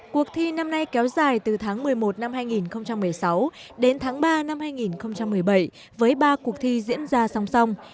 cuộc thi năm nay kéo dài từ tháng một mươi một năm hai nghìn một mươi sáu đến tháng ba năm hai nghìn một mươi bảy với ba cuộc thi diễn ra song song